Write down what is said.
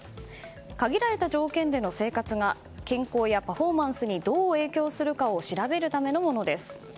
限られた条件での生活が健康やパフォーマンスにどう影響するかを調べるためのものです。